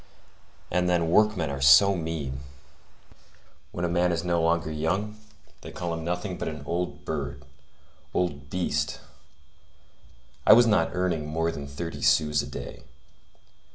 And then, workmen are so mean! When a man is no longer young, they call him nothing but an old bird, old beast! I was not earning more than thirty sous a day.